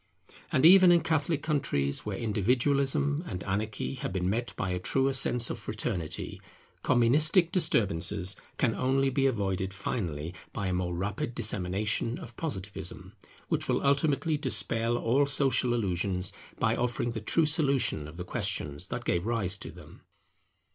And even in Catholic countries, where individualism and anarchy have been met by a truer sense of fraternity, Communistic disturbances can only be avoided finally by a more rapid dissemination of Positivism, which will ultimately dispel all social delusions, by offering the true solution of the questions that gave rise to them.